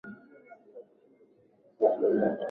Kiroma ila tu katika karne ya saba uvamizi wa Waarabu Waislamu